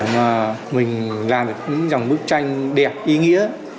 mà mình làm được những dòng bức tranh đẹp ý nghĩa